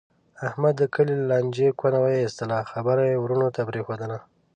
احمد د کلي له لانجې کونه و ایستله. خبره یې ورڼو ته پرېښودله.